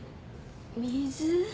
水？